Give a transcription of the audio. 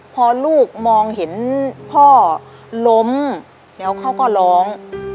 พอลูกมองเห็นพ่อล้มแล้วเขาก็ร้อง